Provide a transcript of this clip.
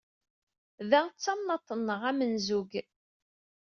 Ta d tamnaḍt-nneɣ, a amenzug!